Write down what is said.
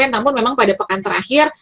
namun memang pada pekan terakhir